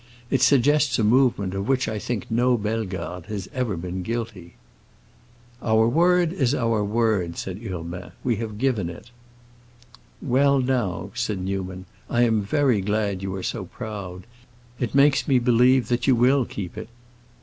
"It suggests a movement of which I think no Bellegarde has ever been guilty." "Our word is our word," said Urbain. "We have given it." "Well, now," said Newman, "I am very glad you are so proud. It makes me believe that you will keep it."